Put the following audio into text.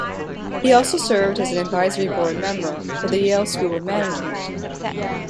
He also served as an advisory board member for the Yale School of Management.